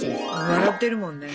笑ってるもんね。